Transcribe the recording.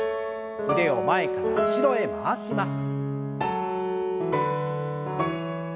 腕を前から後ろへ回します。